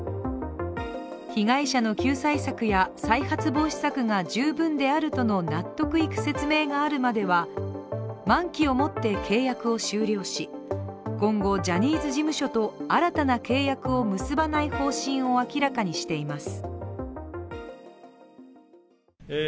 被害者の救済策や再発防止策が十分であるとの納得いく説明があるまでは満期を持って契約を終了し、今後ジャニーズ事務所と新たな契約を結ばない方針を明らかにしています。